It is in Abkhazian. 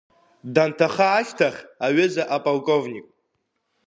Данҭаха ашьҭахь, аҩыза аполковник.